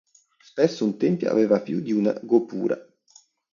Spesso un tempio aveva più di un gopura.